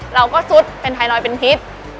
ซุดเป็นไทรอยด์เป็นพิษ